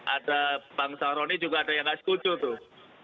ada bang salroni juga ada yang gak setuju tuh